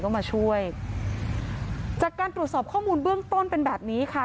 ก็มาช่วยจากการตรวจสอบข้อมูลเบื้องต้นเป็นแบบนี้ค่ะ